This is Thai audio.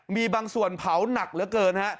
มีบางส่วนเผาหนักเหลือเกินฮะ